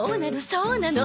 そうなの！